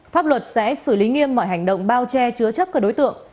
pháp luật sẽ xử lý nghiêm mọi hành động bao che chứa chấp các đối tượng